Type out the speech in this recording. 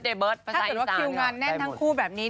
ถ้าเกิดว่าคิวงานแน่นทั้งคู่แบบนี้